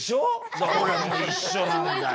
だから俺も一緒なんだよ。